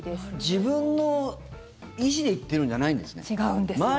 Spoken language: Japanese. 自分の意思で行ってるんじゃないんですね。